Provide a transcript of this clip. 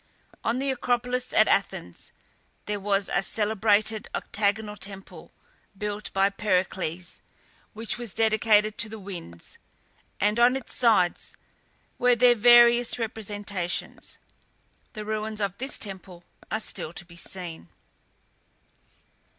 On the Acropolis at Athens there was a celebrated octagonal temple, built by Pericles, which was dedicated to the winds, and on its sides were their various representations. The ruins of this temple are still to be seen.